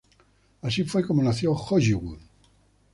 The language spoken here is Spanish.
Así fue como nació Hollywood.